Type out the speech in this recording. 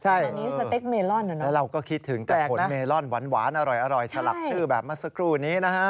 ใช่อันนี้สเต็กเมลอนแล้วเราก็คิดถึงแต่ขนเมลอนหวานอร่อยสลักชื่อแบบเมื่อสักครู่นี้นะฮะ